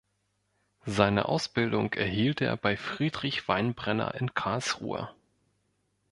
Seine Ausbildung erhielt er bei Friedrich Weinbrenner in Karlsruhe.